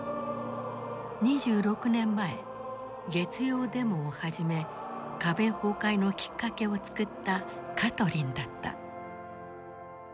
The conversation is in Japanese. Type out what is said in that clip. ２６年前月曜デモを始め壁崩壊のきっかけを作ったカトリンだった。